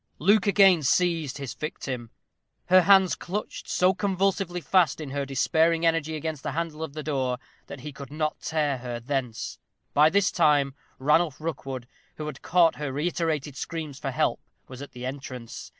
Luke again seized his victim. Her hands clutched so convulsively fast in her despairing energy against the handle of the door that he could not tear her thence. By this time Ranulph Rookwood, who had caught her reiterated screams for help, was at the entrance.